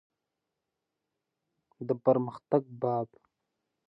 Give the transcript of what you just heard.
د پرمختګ باب.